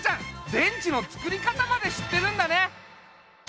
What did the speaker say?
電池のつくり方までしってるんだね。